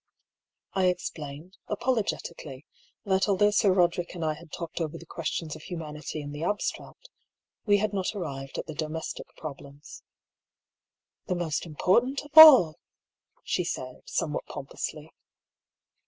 I explained, apologetically, that although Sir Roder ick and I had talked oyer the questions of humanity in the abstract, we had not arrived at the domestic prob lems. ^' The most important of all," she said, somewhat pompously.